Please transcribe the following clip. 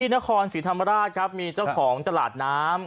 นครศรีธรรมราชครับมีเจ้าของตลาดน้ำ